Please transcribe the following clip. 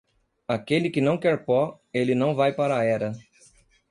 Aquele que não quer pó, ele não vai para a era.